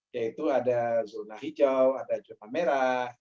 yaitu ada zona hijau ada zona merah